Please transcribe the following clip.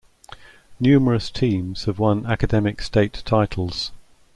Numerous teams have won academic state titles.